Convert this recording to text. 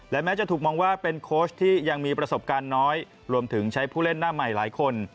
และแม้จะถูกมองว่าเป็นโค้ชที่ยังมีประสบการณ์น้อยรวมถึงใช้ผู้เล่นหน้าใหม่หลายคน